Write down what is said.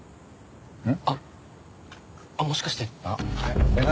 あっもしかして。